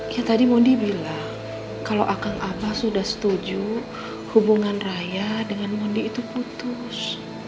ya tadi mondi bilang kalau akang abah sudah setuju hubungan raya dengan mondi itu putus